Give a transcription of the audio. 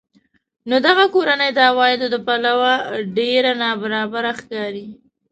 نو دغه کورنۍ د عوایدو له پلوه ډېره نابرابره ښکاري